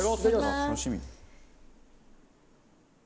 楽しみ。